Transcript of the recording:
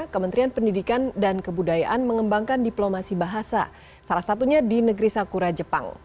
kementerian pendidikan dan kebudayaan mengembangkan diplomasi bahasa salah satunya di negeri sakura jepang